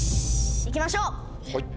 いきましょう！